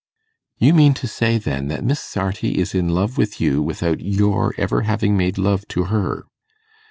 'You mean to say, then, that Miss Sarti is in love with you, without your ever having made love to her.